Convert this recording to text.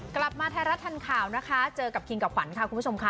กลับมาไทยรัฐทันข่าวนะคะเจอกับคิงกับขวัญค่ะคุณผู้ชมค่ะ